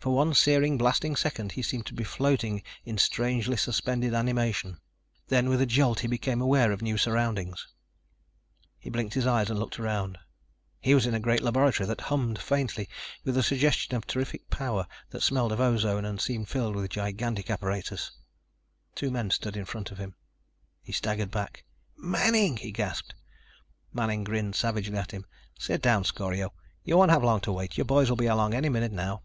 For one searing, blasting second he seemed to be floating in strangely suspended animation. Then with a jolt he became aware of new surroundings. He blinked his eyes and looked around. He was in a great laboratory that hummed faintly with the suggestion of terrific power, that smelled of ozone and seemed filled with gigantic apparatus. Two men stood in front of him. He staggered back. "Manning!" he gasped. Manning grinned savagely at him. "Sit down, Scorio. You won't have long to wait. Your boys will be along any minute now."